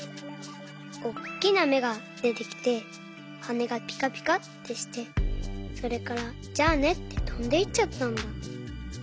おっきなめがでてきてはねがぴかぴかってしてそれから「じゃあね」ってとんでいっちゃったんだ。